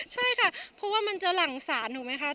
ใช่ค่ะเพราะว่ามันจะหลั่งศาลถูกไหมคะ